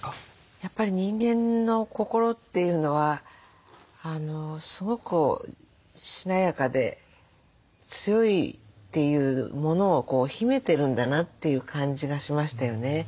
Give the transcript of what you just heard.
やっぱり人間の心というのはすごくしなやかで強いというものを秘めてるんだなという感じがしましたよね。